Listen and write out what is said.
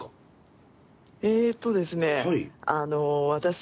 えっとですね私